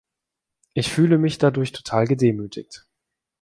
Ich fühle mich dadurch total gedemütigt.